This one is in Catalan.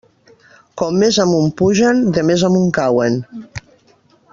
Com més amunt pugen, de més amunt cauen.